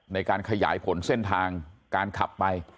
ในการขยายผลเส้นทางการขับไป